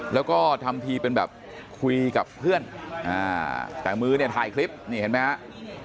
แล้วก็ทำทีเป็นแบบคุยกับเพื่อนแต่มือเนี่ยถ่ายคลิปนี่เห็นไหมครับ